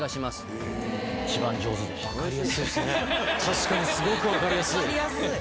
確かにすごく分かりやすい。